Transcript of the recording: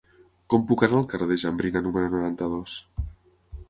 Com puc anar al carrer de Jambrina número noranta-dos?